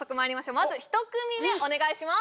まず１組目お願いします